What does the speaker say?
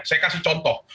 saya kasih contoh